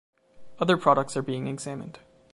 Other products are being examined.